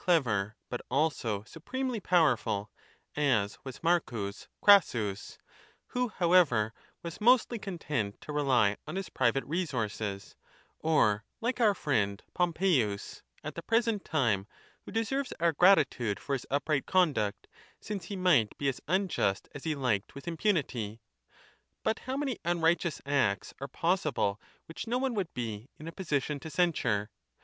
xviii dever but also supremely powerful, as was Marcus CrassuSj^who however was mostly content to on his private resources ; or like our friend Pompeius' at the present time, who deserves ourgratitude for his / upright conduct, since he might be as unjust as he' liked with impujiity. But how many unrighteous acts are possible which no one would be in a position i to censure